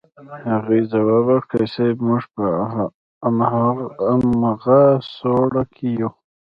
هغې ځواب ورکړ صيب موږ په امغه سوړه کې يو.